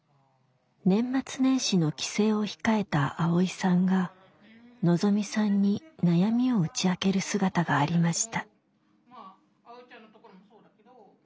年末年始の帰省を控えたアオイさんがのぞみさんに悩みを打ち明ける姿がありました。